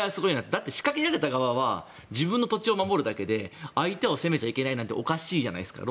だって仕掛けられた側は自分の土地を守るだけで相手を攻めちゃいけないなんておかしいじゃないですか。